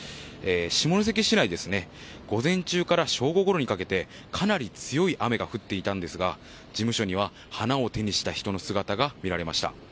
下関市内午前中から正午ごろにかけてかなり強い雨が降っていたんですが事務所には花を手にした人の姿が見られました。